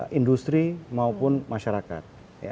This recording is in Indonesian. dengan industri maupun masyarakat